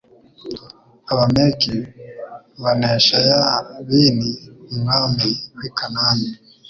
abameki banesha yabini umwami w i kanani